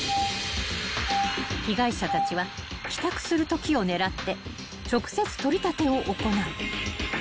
［被害者たちは帰宅するときを狙って直接取り立てを行う］